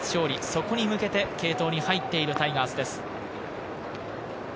そこに向けて継投に入っているタイガースです。